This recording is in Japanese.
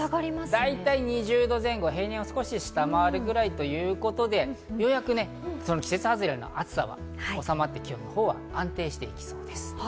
大体２０度前後、平年を下回るくらいということで、ようやく季節外れの暑さはおさまってきて今日は安定してきそうです。